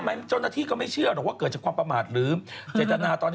มันพาดไปถึงคนอื่นเยอะเกินไป